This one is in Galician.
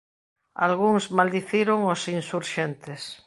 Algúns maldiciron aos insurxentes.